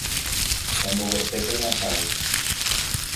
Emboguetéke ne akãgui.